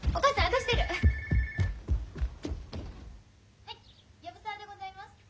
・はい藪沢でございます。